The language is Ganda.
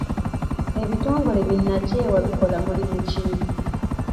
Ebitongole bi nnakyewa bikola mulimu ki?